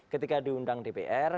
ketika diundang dpr